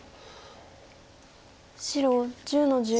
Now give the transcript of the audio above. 白１０の十二。